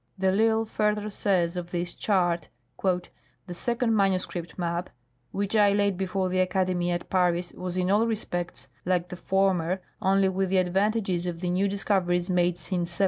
De I'Isle further says of this chart: " The second manuscript map which I laid before the xlcademy at Paris was in all respects like the former, only with the advantages of the new discoveries made since 1731."